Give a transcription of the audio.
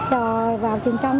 rồi vào trường công